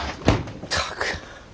ったく。